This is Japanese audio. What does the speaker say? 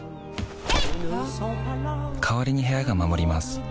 代わりに部屋が守ります